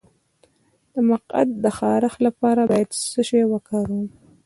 د مقعد د خارښ لپاره باید څه شی وکاروم؟